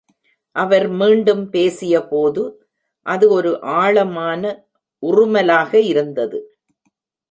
அவர் மீண்டும் பேசியபோது, அது ஒரு ஆழமான உறுமலாக இருந்தது.